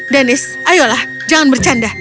danis ayolah jangan bercanda